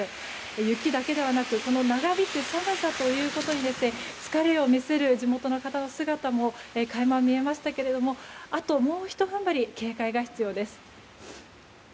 雪だけではなく長引く寒さに疲れを見せる地元の方の姿も垣間見えましたけれどもあともうひと踏ん張り警戒が必要です。